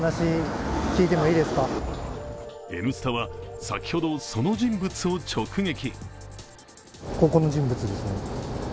「Ｎスタ」は先ほどその人物を直撃。